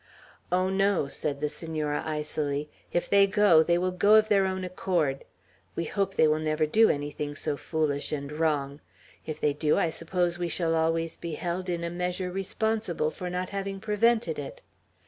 "Oh, no." said the Senora, icily. "If they go, they will go of their own accord. We hope they will never do anything so foolish and wrong. If they do, I suppose we shall always be held in a measure responsible for not having prevented it.